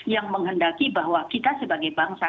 yang menghendaki bahwa kita sebagai bangsa